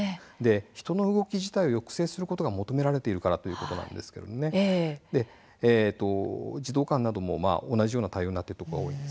人の動き自体を抑制することが求められているからということなんですが児童館なども同じような対応になっています。